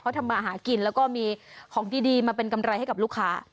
เขาทำมาหากินแล้วก็มีของดีมาเป็นกำไรให้กับลูกค้า